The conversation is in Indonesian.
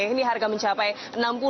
ini harga mencapai enam puluh